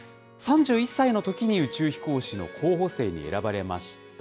３１歳のときに宇宙飛行士の候補生に選ばれました。